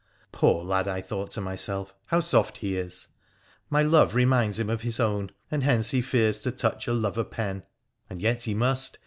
Poor lad, I thought to myself, how soft he is ! My love reminds him of his own, and hence he fears to touch a lover pen. And yet he must.